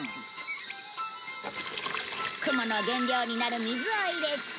雲の原料になる水を入れて。